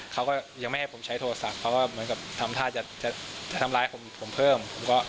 เขาก็ยังไม่ให้ผมใช้โทรศัพท์เพราะว่าเหมือนกับทำท่าจะทำร้ายผมเพิ่ม